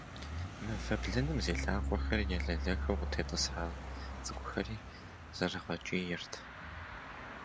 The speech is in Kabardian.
Мывэ блыным зи лъакъуэхэр елэлэхыу къытетIысхьа цIыкIухэри зэрыгъэкIийрт.